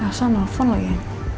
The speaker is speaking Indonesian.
gak usah nelfon lo ya